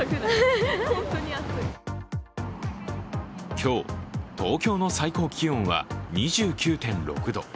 今日、東京の最高気温は２９．６度。